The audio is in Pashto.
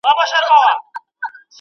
د تندې نښې وچې شونډې ښيي.